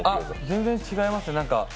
全然違います。